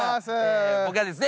僕がですね。